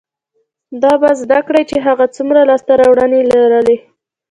دا به زده کړي چې هغې څومره لاسته راوړنې لرلې،